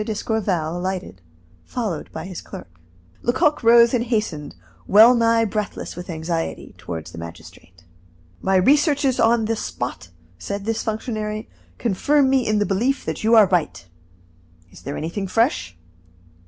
d'Escorval alighted, followed by his clerk. Lecoq rose and hastened, well nigh breathless with anxiety, toward the magistrate. "My researches on the spot," said this functionary, "confirm me in the belief that you are right. Is there anything fresh?"